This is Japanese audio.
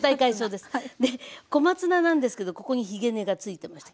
で小松菜なんですけどここにひげ根がついてました。